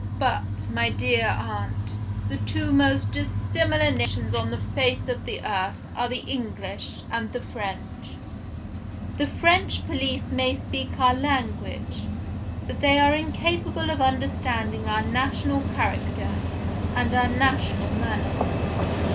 But, my dear aunt, the two most dissimilar nations on the face of the earth are the English and the French. The French police may speak our language but they are incapable of understanding our national character and our national manners.